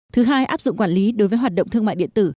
thứ hai áp dụng quản lý đối với hoạt động thương mại điện tử